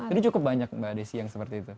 itu cukup banyak mbak desy yang seperti itu